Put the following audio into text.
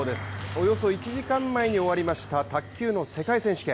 およそ１時間前に終わりました卓球の世界選手権。